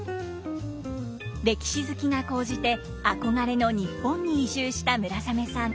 歴史好きが高じて憧れの日本に移住した村雨さん。